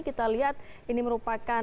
kita lihat ini merupakan